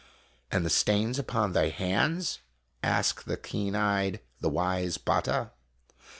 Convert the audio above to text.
"And the stains upon thy hands?" asked the keen eyed, the wise Batta.